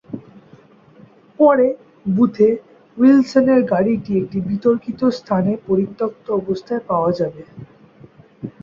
পরে, বুথে-উইলসনের গাড়িটি একটি বিতর্কিত স্থানে পরিত্যক্ত অবস্থায় পাওয়া যাবে।